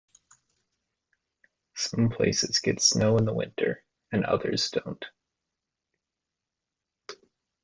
Some places get snow in the winter and others don't.